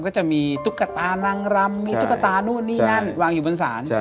ก็จะมีตุ๊กตานางรำมีตุ๊กตานู่นนี่นั่นวางอยู่บนศาล